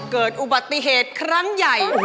เกิดอุบัติเหตุครั้งใหญ่